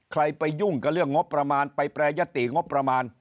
ใครไปยุ่งกับเรื่องงบประมาณไปแปรยติงบประมาณ